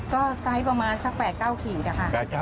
ก็ไซส์ประมาณซักแปด๙ขีดนะคะ